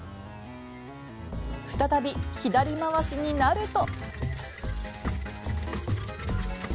再び左回しになると。